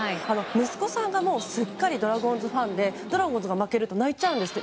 息子さんがすっかりドラゴンズファンでドラゴンズが負けると泣いちゃうんですって。